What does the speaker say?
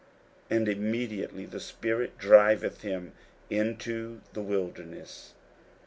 41:001:012 And immediately the spirit driveth him into the wilderness.